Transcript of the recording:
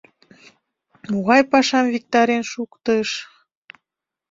Могай пашам виктарен шуктыш.